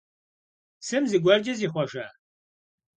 Psım zıguerç'e zixhuejja?